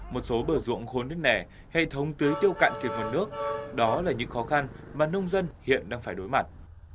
một số bờ ruộng khôn nước nẻ hệ thống tưới tiêu cạn kiệt nguồn nước đó là những khó khăn mà nông dân hiện đang phải đối mặt